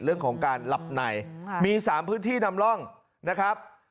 เรื่องของการหลับในมี๓พื้นที่นำร่องนะครับ